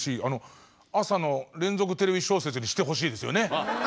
あの朝の連続テレビ小説にしてほしいですよね！